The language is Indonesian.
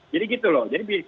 jadi gitu loh